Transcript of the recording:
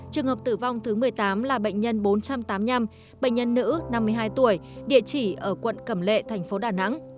trường hợp tử vong thứ một mươi tám là bệnh nhân bốn trăm tám mươi năm bệnh nhân nữ năm mươi hai tuổi địa chỉ ở quận cẩm lệ thành phố đà nẵng